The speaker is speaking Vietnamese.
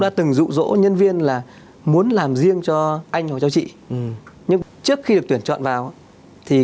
đã từng dụ dỗ nhân viên là muốn làm riêng cho anh hoặc cho chị nhưng trước khi được tuyển chọn vào